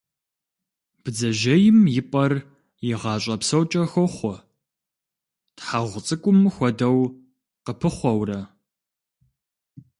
Бдзэжьейм и пӏэр и гъащӏэ псокӏэ хохъуэ, тхьэгъу цӏыкӏум хуэдэу къыпыхъуэурэ.